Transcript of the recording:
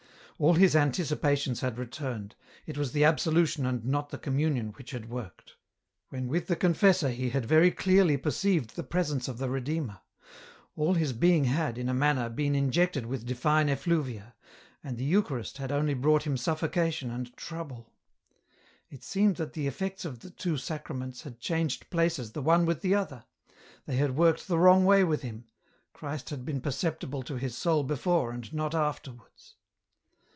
All his anticipations had returned ; it was the absolution and not the communion which had worked. When with the confessor he had very clearly perceivM the presence p 2 212 EN ROUTE. of the Redeemer ; all his being had, in a manner, been injected with divine effluvia, and the Eucharist had only brought him suffocation and trouble. It seemed that the effects of the two Sacraments had changed places the one with the other ; they had worked the wrong way with him ; Christ had been perceptible to his soul before and not afterwards.